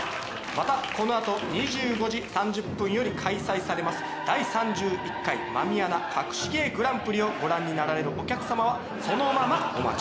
またこのあと２５時３０分より開催されます第３１回狸穴かくし芸グランプリをご覧になられるお客様はそのままお待ちください。